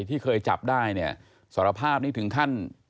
ที่เคยจับได้สารภาพนี้ถึงท่าน